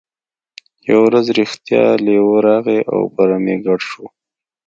یوه ورځ رښتیا لیوه راغی او په رمې ګډ شو.